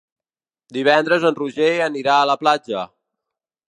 Divendres en Roger anirà a la platja.